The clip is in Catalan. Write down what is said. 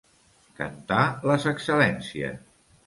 Cantar les excel·lències.